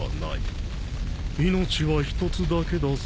命は一つだけだぞ。